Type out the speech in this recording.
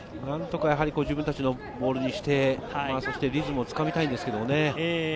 何とか自分たちのボールにして、リズムをつかみたいんですけどね。